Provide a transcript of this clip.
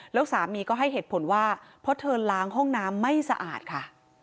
แล้วสามีก็ให้เหตุผลว่าเพราะเธอล้างห้องน้ำไม่สะอาดค่ะ